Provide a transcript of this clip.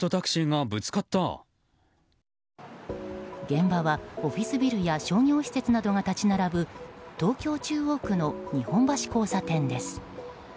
現場はオフィスビルや商業施設などが立ち並ぶ東京・中央区の日本橋交差点です。